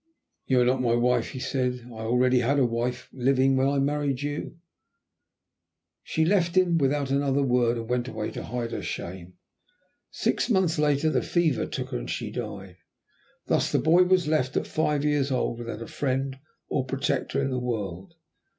"'You are not my wife,' he said. 'I had already a wife living when I married you.' "She left him without another word and went away to hide her shame. Six months later the fever took her and she died. Thus the boy was left, at five years old, without a friend or protector in the world.